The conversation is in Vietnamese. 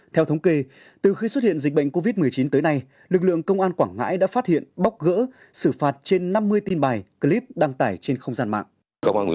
theo thống kê từ khi xuất hiện dịch bệnh covid một mươi chín tới nay lực lượng công an quảng ngãi đã phát hiện bóc gỡ xử phạt trên năm mươi tin bài clip đăng tải trên không gian mạng